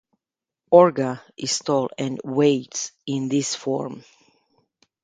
Orga is tall and weighs in this form.